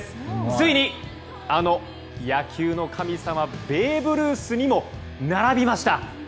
ついに、あの野球の神様ベーブ・ルースにも並びました。